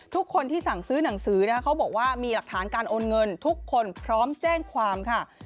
ทุกคนที่สั่งซื้อหนังสือนะคะเขาบอกว่ามีหลักฐานการโอนเงินทุกคนพร้อมแจ้งความค่ะ